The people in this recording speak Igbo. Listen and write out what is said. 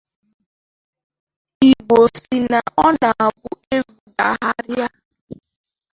Igbo sị na ọ na-abụ egwu dagharịa